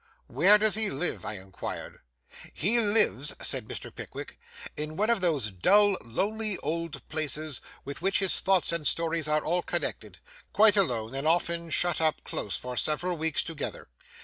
'Where does he live?' I inquired. 'He lives,' said Mr. Pickwick, 'in one of those dull, lonely old places with which his thoughts and stories are all connected; quite alone, and often shut up close for several weeks together.